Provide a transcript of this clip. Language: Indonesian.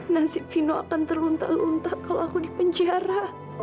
nasi fino akan terluntar luntar kalau aku di penjara